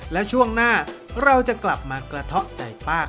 และช่วงหน้าเราจะกลับมากระทะใจป้ากันนะครับ